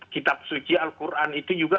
kitab suci al quran itu juga